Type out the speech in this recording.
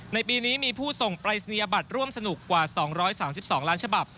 ในปีนี้มีผู้ส่งปรายศนียบัตรร่วมสนุกกว่า๒๓๒ล้านฉบับ